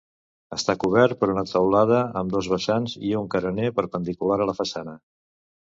Està cobert per una teulada amb dos vessants i un carener perpendicular a la façana.